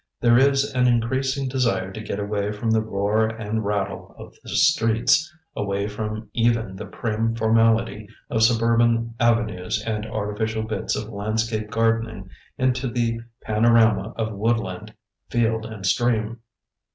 There is an increasing desire to get away from the roar and rattle of the streets, away from even the prim formality of suburban avenues and artificial bits of landscape gardening into the panorama of woodland, field, and stream.